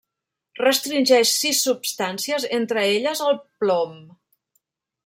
Restringeix sis substàncies, entre elles el plom.